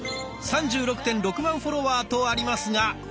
３６．６万フォロワーとありますがこれは？